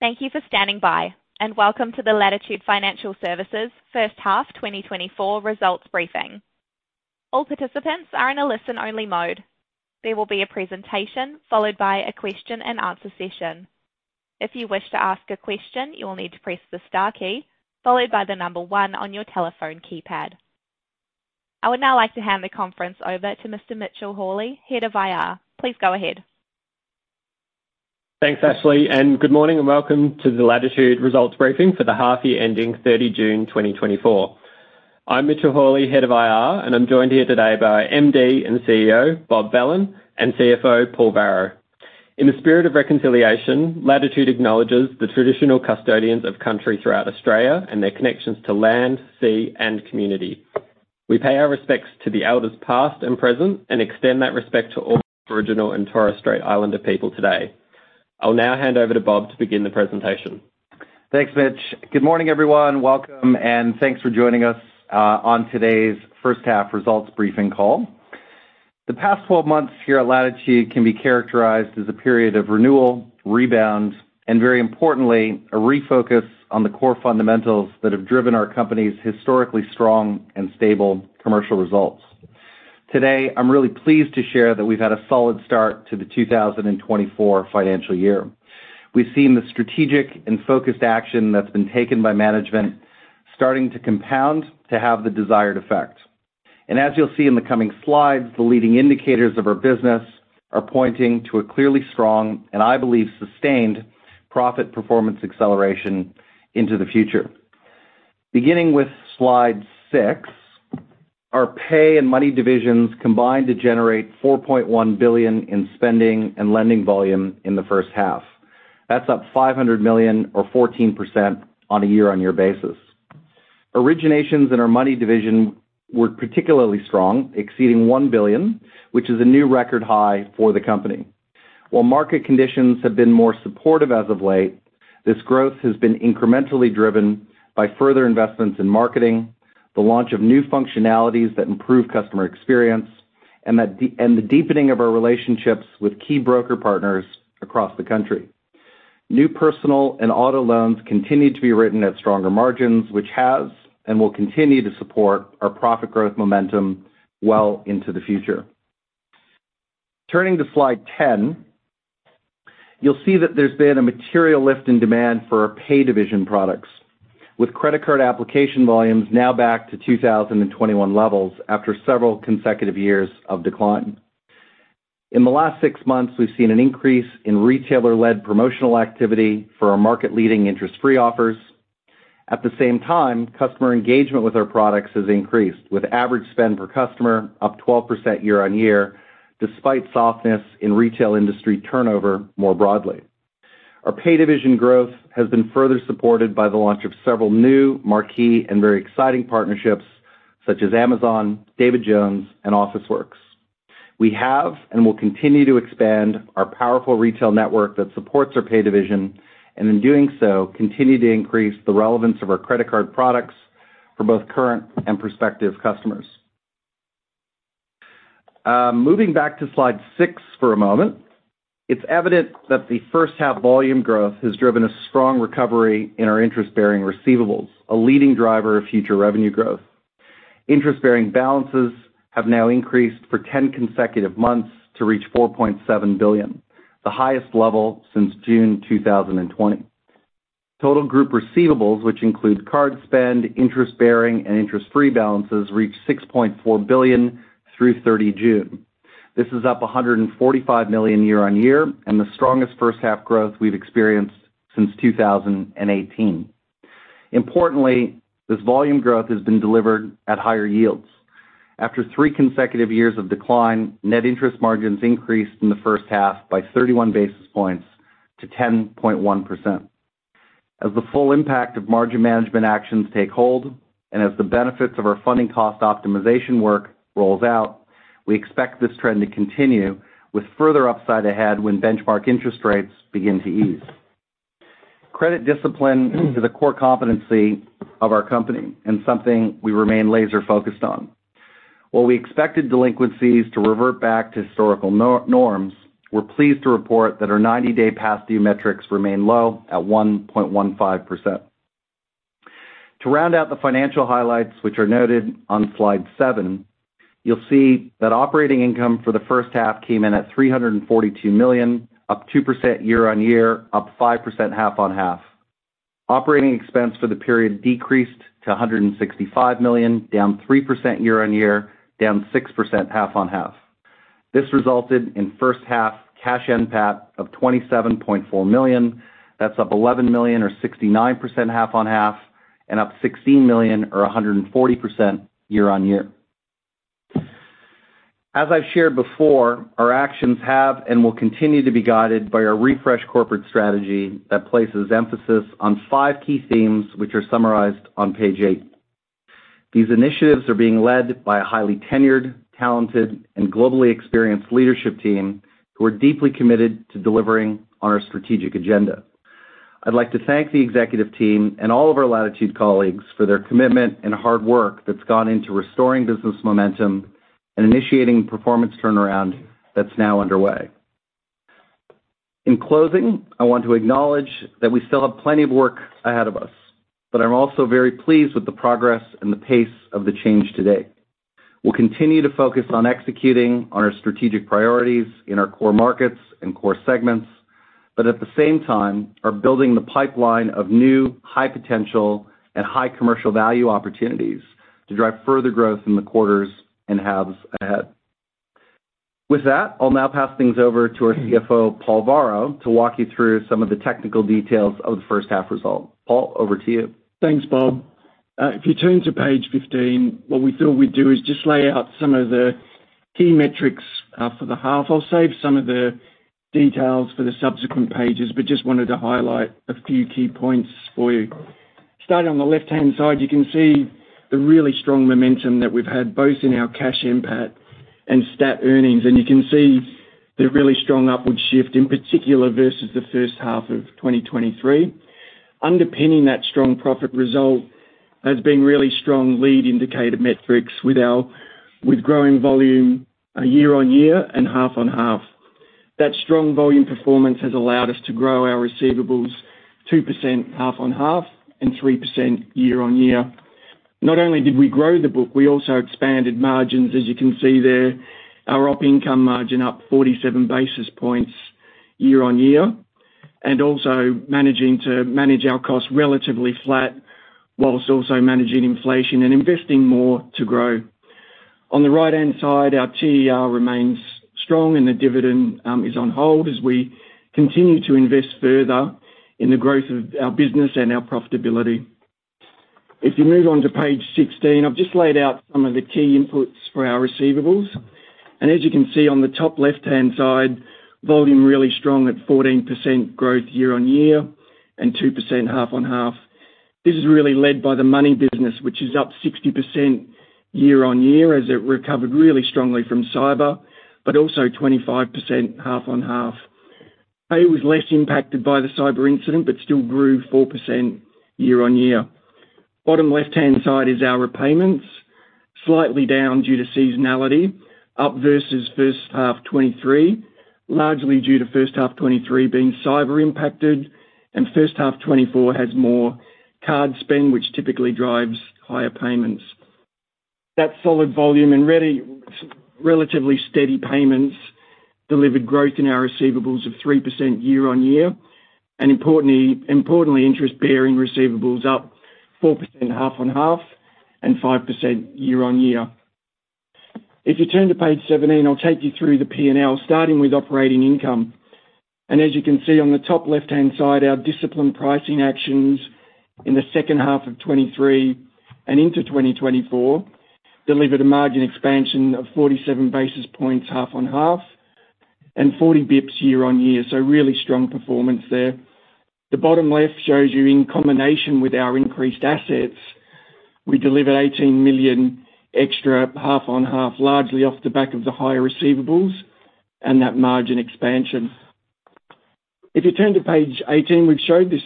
Thank you for standing by, and welcome to the Latitude Financial Services first half 2024 results briefing. All participants are in a listen-only mode. There will be a presentation, followed by a question-and-answer session. If you wish to ask a question, you will need to press the star key, followed by the number one on your telephone keypad. I would now like to hand the conference over to Mr. Mitchell Hawley, Head of IR. Please go ahead. Thanks, Ashley, and good morning, and welcome to the Latitude Results briefing for the half year ending 30 June 2024. I'm Mitchell Hawley, Head of IR, and I'm joined here today by our MD and CEO, Bob Belan, and CFO, Paul Varro. In the spirit of reconciliation, Latitude acknowledges the traditional custodians of country throughout Australia and their connections to land, sea, and community. We pay our respects to the elders, past and present, and extend that respect to all Aboriginal and Torres Strait Islander people today. I'll now hand over to Bob to begin the presentation. Thanks, Mitch. Good morning, everyone. Welcome, and thanks for joining us on today's first half results briefing call. The past 12 months here at Latitude can be characterized as a period of renewal, rebound, and very importantly, a refocus on the core fundamentals that have driven our company's historically strong and stable commercial results. Today, I'm really pleased to share that we've had a solid start to the 2024 financial year. We've seen the strategic and focused action that's been taken by management starting to compound to have the desired effect. And as you'll see in the coming slides, the leading indicators of our business are pointing to a clearly strong, and I believe, sustained profit performance acceleration into the future. Beginning with Slide six, our Pay and Money divisions combined to generate 4.1 billion in spending and lending volume in the first half. That's up 500 million or 14% on a year-on-year basis. Originations in our money division were particularly strong, exceeding 1 billion, which is a new record high for the company. While market conditions have been more supportive as of late, this growth has been incrementally driven by further investments in marketing, the launch of new functionalities that improve customer experience, and the deepening of our relationships with key broker partners across the country. New personal and auto loans continue to be written at stronger margins, which has and will continue to support our profit growth momentum well into the future. Turning to Slide 10, you'll see that there's been a material lift in demand for our pay division products, with credit card application volumes now back to 2021 levels after several consecutive years of decline. In the last six months, we've seen an increase in retailer-led promotional activity for our market-leading interest-free offers. At the same time, customer engagement with our products has increased, with average spend per customer up 12% year-on-year, despite softness in retail industry turnover more broadly. Our pay division growth has been further supported by the launch of several new marquee and very exciting partnerships, such as Amazon, David Jones, and Officeworks. We have and will continue to expand our powerful retail network that supports our pay division, and in doing so, continue to increase the relevance of our credit card products for both current and prospective customers. Moving back to Slide six for a moment, it's evident that the first half volume growth has driven a strong recovery in our interest-bearing receivables, a leading driver of future revenue growth. Interest-bearing balances have now increased for 10 consecutive months to reach 4.7 billion, the highest level since June 2020. Total group receivables, which include card spend, interest-bearing, and interest-free balances, reached 6.4 billion through 30 June. This is up 145 million year-on-year, and the strongest first half growth we've experienced since 2018. Importantly, this volume growth has been delivered at higher yields. After three consecutive years of decline, net interest margins increased in the first half by 31 basis points to 10.1%. As the full impact of margin management actions take hold, and as the benefits of our funding cost optimization work rolls out, we expect this trend to continue, with further upside ahead when benchmark interest rates begin to ease. Credit discipline is a core competency of our company and something we remain laser-focused on. While we expected delinquencies to revert back to historical norms, we're pleased to report that our 90-day past due metrics remain low at 1.15%. To round out the financial highlights, which are noted on slide seven, you'll see that operating income for the first half came in at 342 million, up 2% year-on-year, up 5% half on half. Operating expense for the period decreased to 165 million, down 3% year-on-year, down 6% half on half. This resulted in first-half cash NPAT of 27.4 million. That's up 11 million, or 69% half on half, and up 16 million, or 140% year-on-year. As I've shared before, our actions have and will continue to be guided by our refreshed corporate strategy that places emphasis on five key themes, which are summarized on page eight. These initiatives are being led by a highly tenured, talented, and globally experienced leadership team who are deeply committed to delivering on our strategic agenda. I'd like to thank the executive team and all of our Latitude colleagues for their commitment and hard work that's gone into restoring business momentum and initiating performance turnaround that's now underway. In closing, I want to acknowledge that we still have plenty of work ahead of us, but I'm also very pleased with the progress and the pace of the change today. We'll continue to focus on executing on our strategic priorities in our core markets and core segments, but at the same time, are building the pipeline of new, high potential and high commercial value opportunities to drive further growth in the quarters and halves ahead. With that, I'll now pass things over to our CFO, Paul Varro, to walk you through some of the technical details of the first half result. Paul, over to you. Thanks, Bob. If you turn to page 15, what we thought we'd do is just lay out some of the key metrics for the half. I'll save some of the details for the subsequent pages, but just wanted to highlight a few key points for you. Starting on the left-hand side, you can see the really strong momentum that we've had, both in our Cash NPAT and stat earnings, and you can see the really strong upward shift, in particular, versus the first half of 2023. Underpinning that strong profit result has been really strong lead indicator metrics with growing volume year-on-year and half on half. That strong volume performance has allowed us to grow our receivables 2%, half on half, and 3%, year-on-year. Not only did we grow the book, we also expanded margins. As you can see there, our op income margin up 47 basis points year-on-year, and also managing to manage our costs relatively flat, while also managing inflation and investing more to grow. On the right-hand side, our TER remains strong and the dividend is on hold as we continue to invest further in the growth of our business and our profitability. If you move on to page 16, I've just laid out some of the key inputs for our receivables, and as you can see on the top left-hand side, volume really strong at 14% growth year-on-year and 2% half on half. This is really led by the money business, which is up 60% year-on-year as it recovered really strongly from cyber, but also 25% half on half. Pay was less impacted by the cyber incident, but still grew 4% year on year. Bottom left-hand side is our repayments, slightly down due to seasonality, up versus first half 2023, largely due to first half 2023 being cyber impacted, and first half 2024 has more card spend, which typically drives higher payments. That solid volume and relatively steady payments delivered growth in our receivables of 3% year-on-year, and importantly, importantly, interest-bearing receivables up 4% half on half and 5% year-on-year. If you turn to page 17, I'll take you through the P&L, starting with operating income. And as you can see on the top left-hand side, our disciplined pricing actions in the second half of 2023 and in 2024 delivered a margin expansion of 47 basis points, half on half, and 40 basis points year-on-year. So really strong performance there. The bottom left shows you in combination with our increased assets, we delivered 18 million extra half on half, largely off the back of the higher receivables and that margin expansion. If you turn to page 18, we've shown this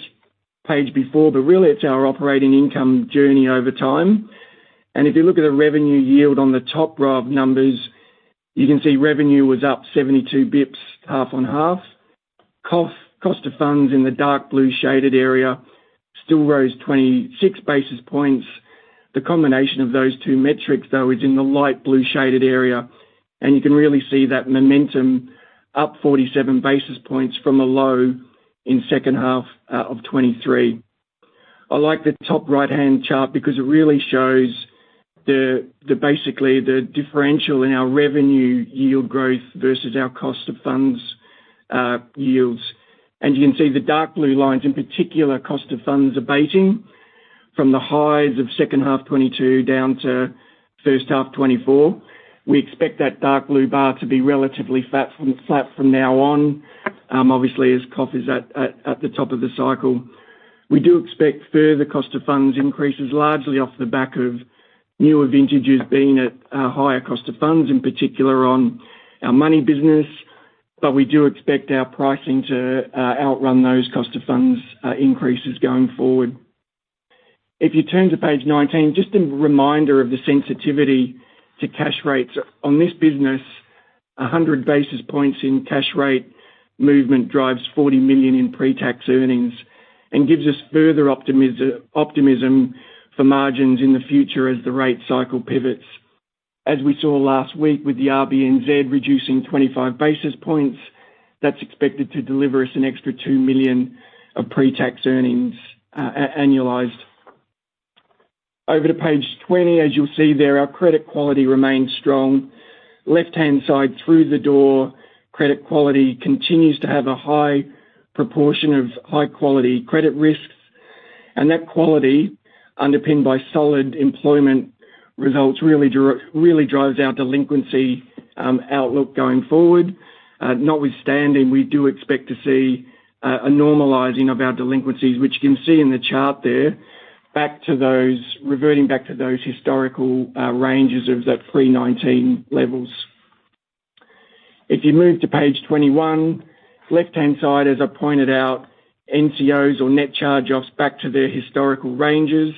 page before, but really it's our operating income journey over time. And if you look at the revenue yield on the top row of numbers, you can see revenue was up 72 basis points, half on half. Cost of funds in the dark blue shaded area still rose 26 basis points. The combination of those two metrics, though, is in the light blue shaded area, and you can really see that momentum up 47 basis points from a low in second half of 2023. I like the top right-hand chart because it really shows basically the differential in our revenue yield growth versus our cost of funds yields. And you can see the dark blue lines, in particular, cost of funds abating from the highs of second half 2022 down to first half 2024. We expect that dark blue bar to be relatively flat from now on, obviously, as COF is at the top of the cycle. We do expect further cost of funds increases, largely off the back of newer vintages being at a higher cost of funds, in particular on our money business, but we do expect our pricing to outrun those cost of funds increases going forward. If you turn to page 19, just a reminder of the sensitivity to cash rates. On this business, 100 basis points in cash rate movement drives 40 million in pretax earnings and gives us further optimism for margins in the future as the rate cycle pivots. As we saw last week with the RBNZ reducing 25 basis points, that's expected to deliver us an extra 2 million of pretax earnings, annualized. Over to page 20. As you'll see there, our credit quality remains strong. Left-hand side through the door, credit quality continues to have a high proportion of high-quality credit risks, and that quality, underpinned by solid employment results, really drives our delinquency outlook going forward. Notwithstanding, we do expect to see a normalizing of our delinquencies, which you can see in the chart there, reverting back to those historical ranges of that pre-2019 levels. If you move to page 21, left-hand side, as I pointed out, NCOs or net charge-offs back to their historical ranges,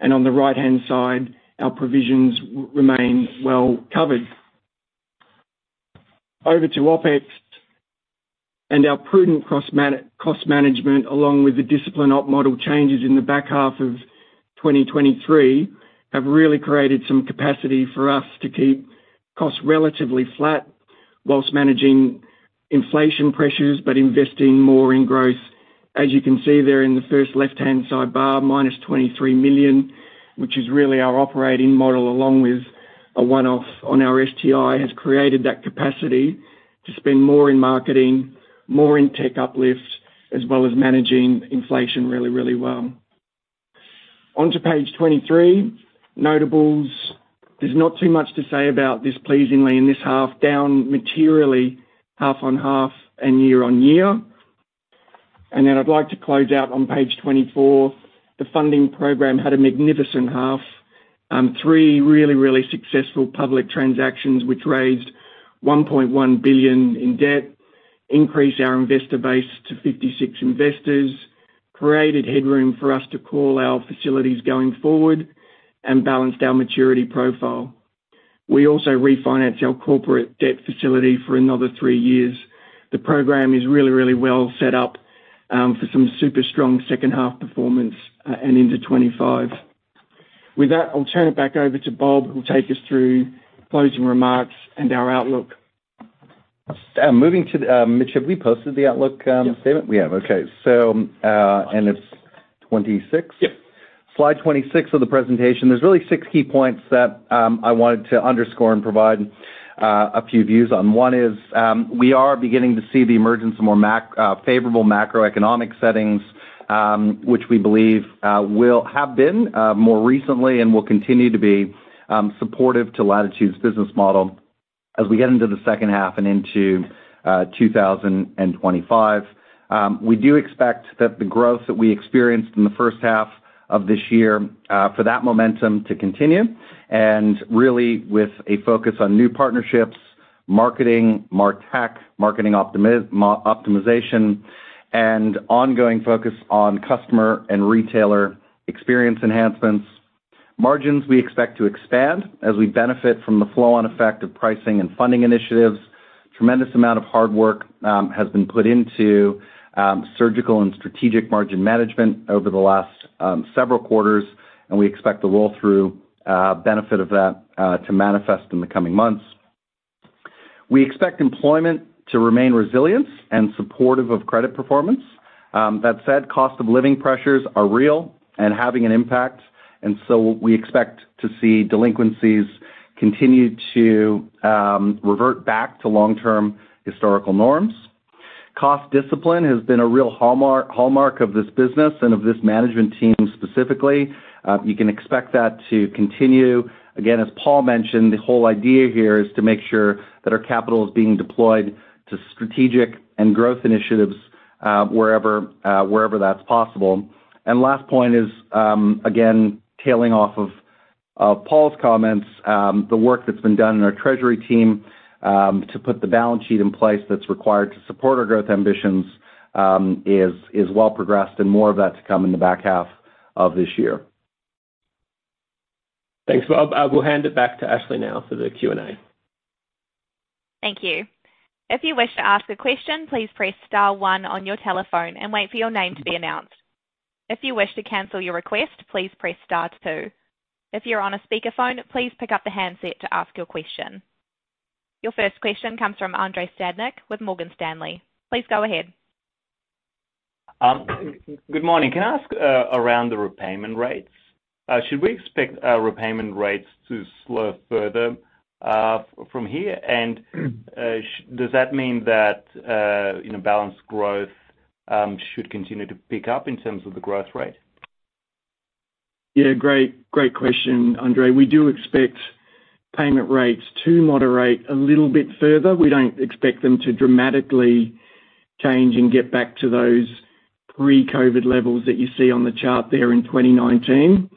and on the right-hand side, our provisions remain well covered. Over to OpEx, and our prudent cost management, along with the disciplined op model changes in the back half of 2023, have really created some capacity for us to keep costs relatively flat while managing inflation pressures, but investing more in growth. As you can see there in the first left-hand side bar, -23 million, which is really our operating model, along with a one-off on our STI, has created that capacity to spend more in marketing, more in tech uplifts, as well as managing inflation really, really well. On to page 23, notables. There's not too much to say about this pleasingly in this half, down materially, half on half and year-on-year. Then I'd like to close out on page 24. The funding program had a magnificent half. Three really, really successful public transactions, which raised 1.1 billion in debt, increased our investor base to 56 investors, created headroom for us to call our facilities going forward and balanced our maturity profile. We also refinanced our corporate debt facility for another three years. The program is really, really well set up for some super strong second-half performance and into 2025. With that, I'll turn it back over to Bob, who'll take us through closing remarks and our outlook. Moving to the, Mitch, have we posted the outlook statement? Yes. We have. Okay. So, and it's 26? Yes. Slide 26 of the presentation. There's really six key points that I wanted to underscore and provide a few views on. One is we are beginning to see the emergence of more favorable macroeconomic settings, which we believe will have been more recently and will continue to be supportive to Latitude's business model as we get into the second half and into 2025. We do expect that the growth that we experienced in the first half of this year for that momentum to continue, and really with a focus on new partnerships, marketing, MarTech, marketing optimization, and ongoing focus on customer and retailer experience enhancements. Margins we expect to expand as we benefit from the flow-on effect of pricing and funding initiatives. Tremendous amount of hard work has been put into surgical and strategic margin management over the last several quarters, and we expect the roll-through benefit of that to manifest in the coming months. We expect employment to remain resilient and supportive of credit performance. That said, cost of living pressures are real and having an impact, and so we expect to see delinquencies continue to revert back to long-term historical norms. Cost discipline has been a real hallmark of this business and of this management team, specifically. You can expect that to continue. Again, as Paul mentioned, the whole idea here is to make sure that our capital is being deployed to strategic and growth initiatives, wherever that's possible. And last point is, again, tailing off of Paul's comments, the work that's been done in our treasury team to put the balance sheet in place that's required to support our growth ambitions is well progressed, and more of that to come in the back half of this year. Thanks, Bob. I will hand it back to Ashley now for the Q&A. Thank you. If you wish to ask a question, please press star one on your telephone and wait for your name to be announced. If you wish to cancel your request, please press star two. If you're on a speakerphone, please pick up the handset to ask your question. Your first question comes from Andrei Stadnik with Morgan Stanley. Please go ahead. Good morning. Can I ask around the repayment rates? Should we expect our repayment rates to slow further from here? And does that mean that you know, balance growth should continue to pick up in terms of the growth rate? Yeah, great, great question, Andrei. We do expect payment rates to moderate a little bit further. We don't expect them to dramatically change and get back to those pre-COVID levels that you see on the chart there in 2019.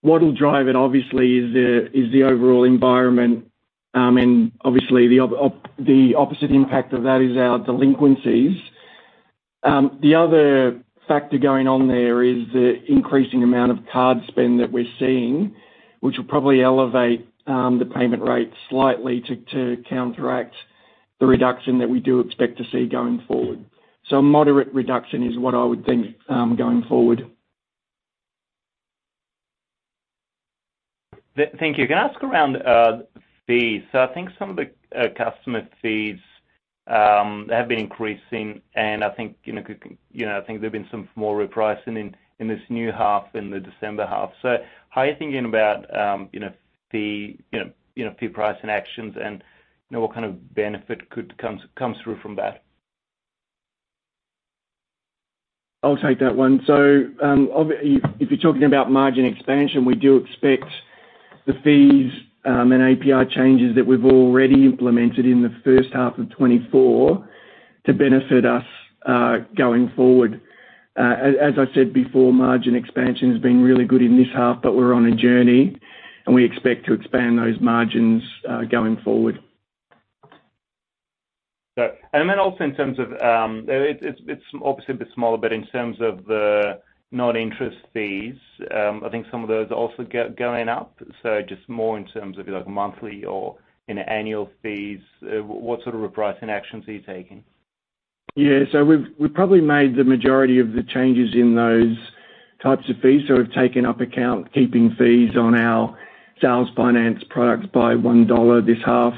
What will drive it, obviously, is the overall environment, and obviously, the opposite impact of that is our delinquencies. The other factor going on there is the increasing amount of card spend that we're seeing, which will probably elevate the payment rates slightly to counteract the reduction that we do expect to see going forward. So a moderate reduction is what I would think, going forward. Thank you. Can I ask around fees? So I think some of the customer fees have been increasing, and I think, you know, I think there's been some more repricing in this new half than the December half. So how are you thinking about, you know, fee pricing actions and, you know, what kind of benefit could come through from that? I'll take that one. So, if you're talking about margin expansion, we do expect the fees and API changes that we've already implemented in the first half of 2024 to benefit us going forward. As I said before, margin expansion has been really good in this half, but we're on a journey, and we expect to expand those margins going forward. So and then also in terms of, it's obviously a bit smaller, but in terms of the non-interest fees, I think some of those are also going up. So just more in terms of like monthly or annual fees, what sort of repricing actions are you taking? Yeah. So we've probably made the majority of the changes in those types of fees. So we've taken up account keeping fees on our sales finance products by 1 dollar this half,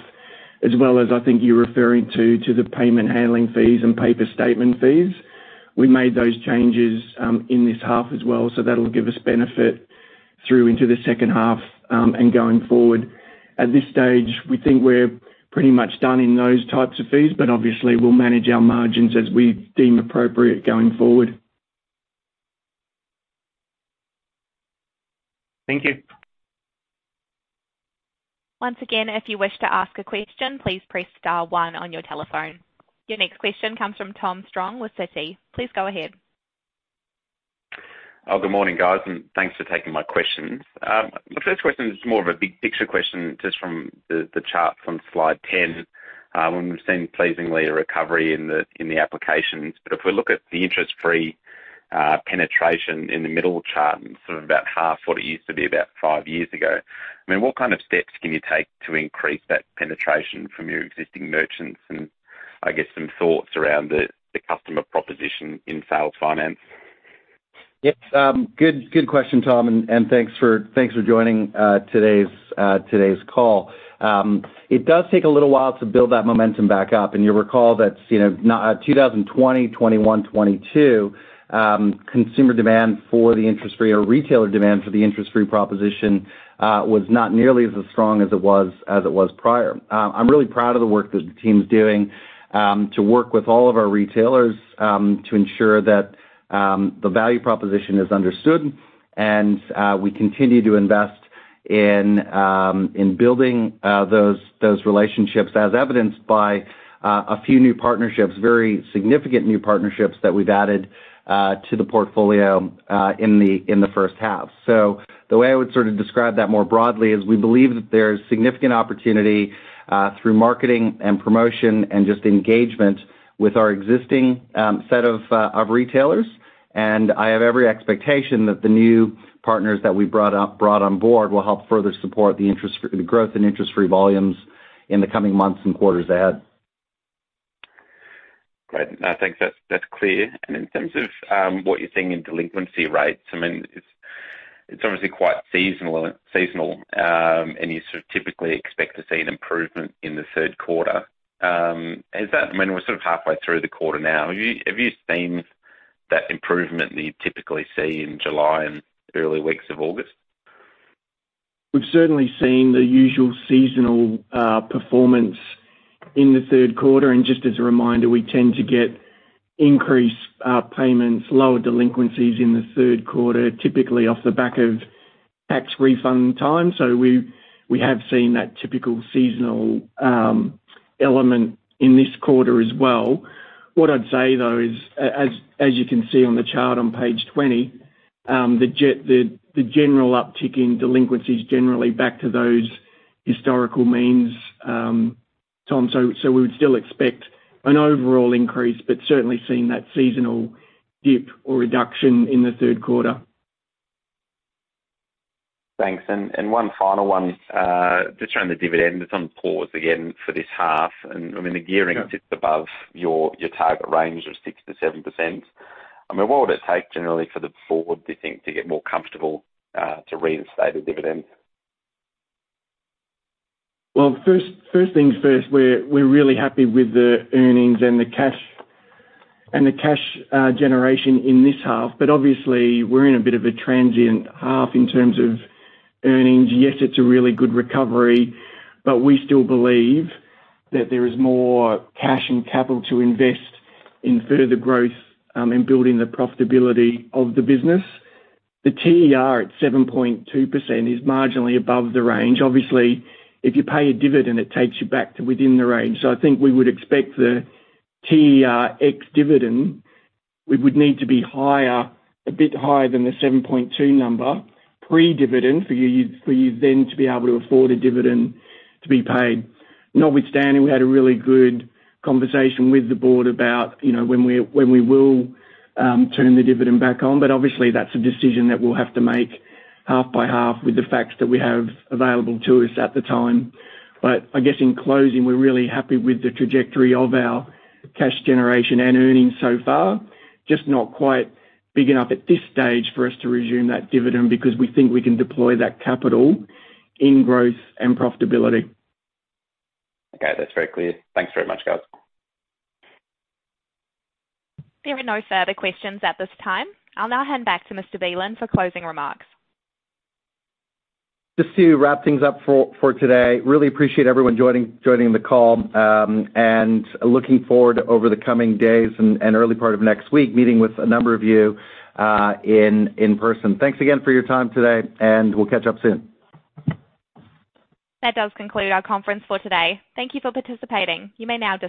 as well as I think you're referring to the payment handling fees and paper statement fees. We made those changes in this half as well, so that'll give us benefit through into the second half and going forward. At this stage, we think we're pretty much done in those types of fees, but obviously, we'll manage our margins as we deem appropriate going forward. Thank you. Once again, if you wish to ask a question, please press star one on your telephone. Your next question comes from Tom Strong with Citi. Please go ahead. Oh, good morning, guys, and thanks for taking my questions. My first question is more of a big picture question, just from the chart from slide 10. When we've seen, pleasingly, a recovery in the applications, but if we look at the interest-free penetration in the middle chart and sort of about half what it used to be about five years ago, I mean, what kind of steps can you take to increase that penetration from your existing merchants? And I guess some thoughts around the customer proposition in sales finance. Yes, good question, Tom, and thanks for joining today's call. It does take a little while to build that momentum back up, and you'll recall that, you know, in 2020, 2021, 2022 consumer demand for the interest-free or retailer demand for the interest-free proposition was not nearly as strong as it was prior. I'm really proud of the work that the team's doing to work with all of our retailers to ensure that the value proposition is understood, and we continue to invest in building those relationships, as evidenced by a few new partnerships, very significant new partnerships that we've added to the portfolio in the first half. So the way I would sort of describe that more broadly is we believe that there's significant opportunity through marketing and promotion and just engagement with our existing set of retailers. And I have every expectation that the new partners that we brought on board will help further support the growth in interest-free volumes in the coming months and quarters ahead. Great. I think that's clear. And in terms of what you're seeing in delinquency rates, I mean, it's obviously quite seasonal, and you sort of typically expect to see an improvement in the third quarter. Is that I mean, we're sort of halfway through the quarter now. Have you seen that improvement that you'd typically see in July and early weeks of August? We've certainly seen the usual seasonal performance in the third quarter. And just as a reminder, we tend to get increased payments, lower delinquencies in the third quarter, typically off the back of tax refund time. So we have seen that typical seasonal element in this quarter as well. What I'd say, though, is as you can see on the chart on page 20, the general uptick in delinquencies generally back to those historical means, Tom, so we would still expect an overall increase, but certainly seeing that seasonal dip or reduction in the third quarter. Thanks. And one final one, just on the dividend. It's on pause again for this half. And I mean, the gearing sits above your target range of 6%-7%. I mean, what would it take generally for the board, do you think, to get more comfortable, to reinstate a dividend? First things first, we're really happy with the earnings and the cash generation in this half, but obviously, we're in a bit of a transient half in terms of earnings. Yes, it's a really good recovery, but we still believe that there is more cash and capital to invest in further growth in building the profitability of the business. The TER at 7.2% is marginally above the range. Obviously, if you pay a dividend, it takes you back to within the range. So I think we would expect the TER ex-dividend; it would need to be higher, a bit higher than the 7.2 number, pre-dividend, for you then to be able to afford a dividend to be paid. Notwithstanding, we had a really good conversation with the board about, you know, when we will turn the dividend back on, but obviously, that's a decision that we'll have to make half by half with the facts that we have available to us at the time. But I guess in closing, we're really happy with the trajectory of our cash generation and earnings so far. Just not quite big enough at this stage for us to resume that dividend, because we think we can deploy that capital in growth and profitability. Okay, that's very clear. Thanks very much, guys. There are no further questions at this time. I'll now hand back to Mr. Belan for closing remarks. Just to wrap things up for today, really appreciate everyone joining the call, and looking forward over the coming days and early part of next week, meeting with a number of you, in person. Thanks again for your time today, and we'll catch up soon. That does conclude our conference for today. Thank you for participating. You may now disconnect.